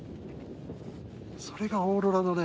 それがオーロラのね